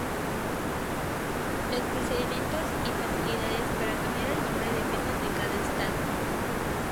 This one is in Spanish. Los procedimientos y facilidades para cambiar el nombre dependen de cada Estado.